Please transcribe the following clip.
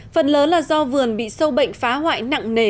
phần lớn là do vườn bị sâu bệnh phá hoại nặng nề